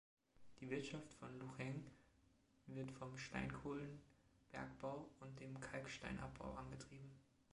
Die Wirtschaft von Lucheng wird vom Steinkohlenbergbau und dem Kalksteinabbau angetrieben.